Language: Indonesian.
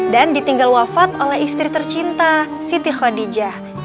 dan ditinggal wafat oleh istri tercinta siti khadijah